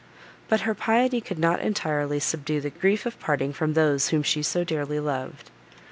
But her piety could not entirely subdue the grief of parting from those whom she so dearly loved.